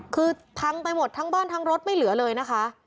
คือพังไปหมดทั้งบ้านทั้งรถไม่เหลือเลยนะคะ